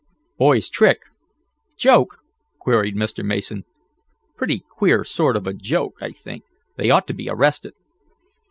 "Boys' trick? Joke?" queried Mr. Mason. "Pretty queer sort of a joke, I think. They ought to be arrested."